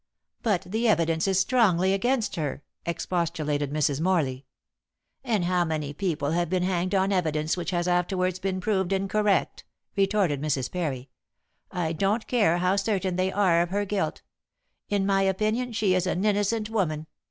"But the evidence is strongly against her," expostulated Mrs. Morley. "And how many people have been hanged on evidence which has afterwards been proved incorrect?" retorted Mrs. Parry. "I don't care how certain they are of her guilt. In my opinion she is an innocent woman.